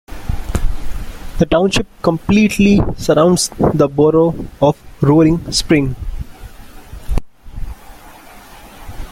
The township completely surrounds the borough of Roaring Spring.